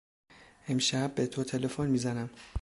امشب به تو تلفن میزنم.